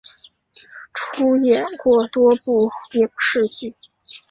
出演过多部影视剧。